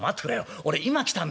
俺今来たんだよ。